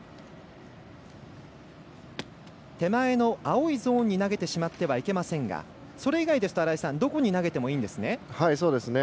手前の青いゾーンに投げてしまってはいけませんがそれ以外ですとどこに投げてもいいんですね。